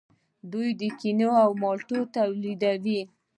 دوی کیوي او مالټې تولیدوي.